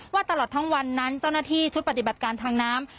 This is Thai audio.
ตลอดทั้งวันนั้นเจ้าหน้าที่ชุดปฏิบัติการทางน้ำ